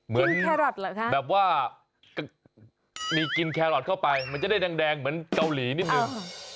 แครอทเหรอคะแบบว่ามีกินแครอทเข้าไปมันจะได้แดงเหมือนเกาหลีนิดนึง